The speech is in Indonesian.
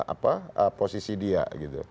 apa posisi dia gitu